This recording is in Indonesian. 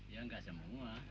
ya gak semua